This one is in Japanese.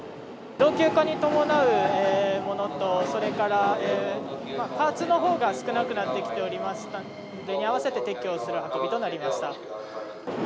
老朽化に伴うものと、それからパーツのほうが少なくなってきておりましたので、それに合わせて撤去をする運びとなりました。